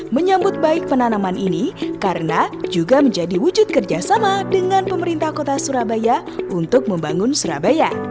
menyambut baik penanaman ini karena juga menjadi wujud kerjasama dengan pemerintah kota surabaya untuk membangun surabaya